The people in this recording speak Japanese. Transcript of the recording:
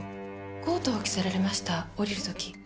コートを着せられました降りる時。